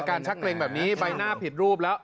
ชักเกรงแบบนี้ใบหน้าผิดรูปแล้ว